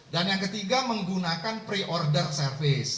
dan yang ketiga menggunakan pre order service